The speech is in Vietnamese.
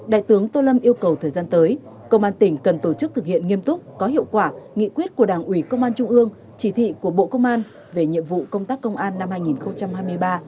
đại tướng tô lâm yêu cầu thời gian tới công an tỉnh cần tổ chức thực hiện nghiêm túc có hiệu quả nghị quyết của đảng ủy công an trung ương chỉ thị của bộ công an về nhiệm vụ công tác công an năm hai nghìn hai mươi ba